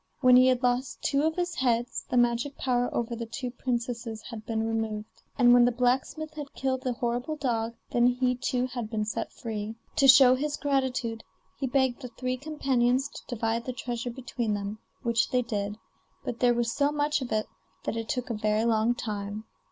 When he had lost two of his heads the magic power over the two princesses had been removed, and when the blacksmith had killed the horrible dog, then he too had been set free. To show his gratitude he begged the three companions to divide the treasure between them, which they did; but there was so much of it that it took a very long time.